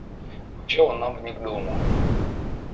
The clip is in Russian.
Вообще он нам не к дому.